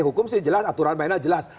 hukum sih jelas aturan mainnya jelas